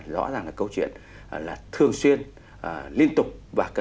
rõ ràng là câu chuyện là thường xuyên liên tục